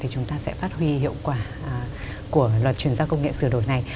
thì chúng ta sẽ phát huy hiệu quả của luật chuyển giao công nghệ sửa đổi này